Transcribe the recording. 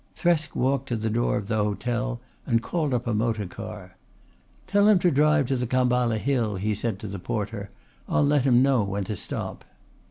Thresk walked to the door of the hotel and called up a motor car. "Tell him to drive to the Khamballa Hill," he said to the porter. "I'll let him know when to stop."